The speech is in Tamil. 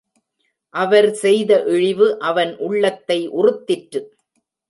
அவர் செய்த இழிவு, அவன் உள்ளத்தை உறுத்திற்று.